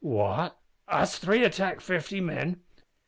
"What! us three attack fifty men?"